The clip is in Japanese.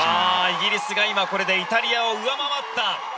イギリスがイタリアを上回った。